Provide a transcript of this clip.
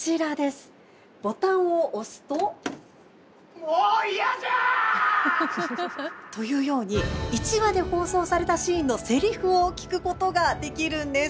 もう嫌じゃあ！というように１話で放送されたシーンのせりふを聞くことができるんです。